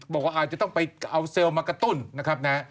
บอกว่าอาจจะต้องไปเอาเซลล์มากระตุ้นนะครับนะ